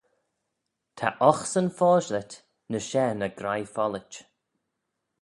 Ta oghsan foshlit ny share na graih follit.